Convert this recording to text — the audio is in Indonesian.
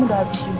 udah habis tok